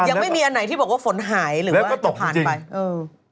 ยังไม่มีอันไหนที่บอกว่าฝนหายหรือว่าจะผ่านไปเออ